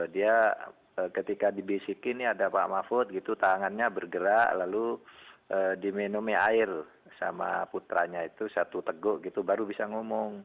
dia ketika dibisikin ada pak mahfud gitu tangannya bergerak lalu diminum air sama putranya itu satu teguk gitu baru bisa ngomong